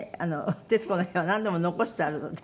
『徹子の部屋』はなんでも残してあるので。